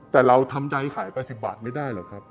แต่เราทำใจขาย๘๐บาทไม่ได้เหรอครับ